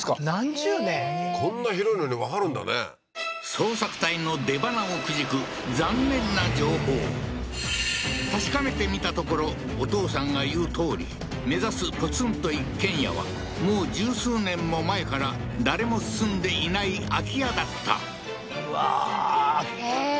捜索隊の出ばなをくじく残念な情報確かめてみたところお父さんが言うとおり目指すポツンと一軒家はもう十数年も前から誰も住んでいない空き家だったうわーええー